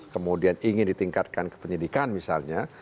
kemudian ingin ditingkatkan ke penyidikan misalnya